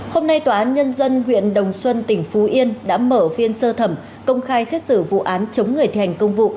hôm nay tòa án nhân dân huyện đồng xuân tỉnh phú yên đã mở phiên sơ thẩm công khai xét xử vụ án chống người thi hành công vụ